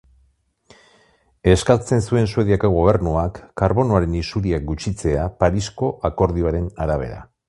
Eskatzen zuen Suediako gobernuak karbonoaren isuriak gutxitzea Parisko Akordioaren arabera.